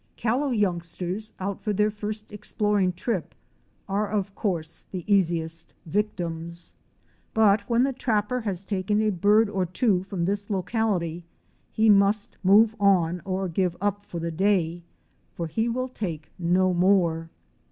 Callow youngsters out for their first exploring trip, are of course the easiest Fic. 65. TatrputT Patm IN BLossom. victims. But when the trapper has taken a bird or two from this locality he must move on or give up for the day for he will take no more.